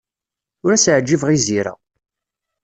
Ur as-ɛjibeɣ i Zira.